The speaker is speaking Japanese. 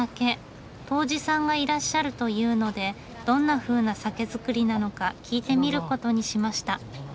杜氏さんがいらっしゃるというのでどんなふうな酒造りなのか聞いてみることにしました。